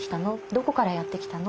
どこからやって来たの？